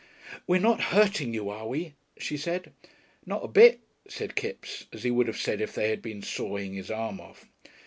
"We're not hurting you, are we?" she said. "Not a bit," said Kipps, as he would have said if they had been sawing his arm off.